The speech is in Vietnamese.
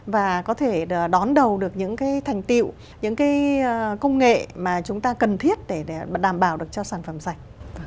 và có thể đón đầu được những thành tiệu những cái công nghệ mà chúng ta cần thiết để đảm bảo được cho sản phẩm sạch